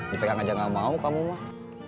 dipegang aja gak mau kamu mah